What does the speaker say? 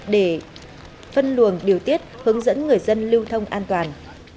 để phân luồng điều tiết hướng dẫn người dân lưu thông an toàn